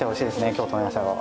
京都の野菜は。